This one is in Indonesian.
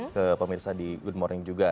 ke pemirsa di good morning juga